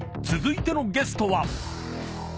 ［続いてのゲストは］